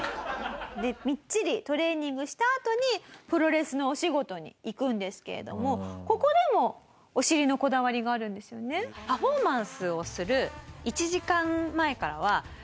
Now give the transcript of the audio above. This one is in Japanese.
みっちりトレーニングしたあとにプロレスのお仕事に行くんですけれどもここでもお尻のこだわりがあるんですよね？っていうのが私のルールで。